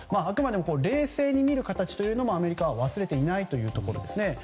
あくまでも冷静に見る形もアメリカは忘れていないというところですね。